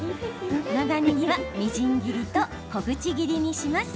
長ねぎはみじん切りと小口切りにします。